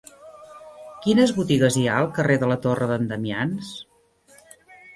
Quines botigues hi ha al carrer de la Torre d'en Damians?